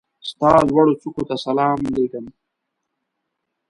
ستا لوړوڅوکو ته سلام لېږم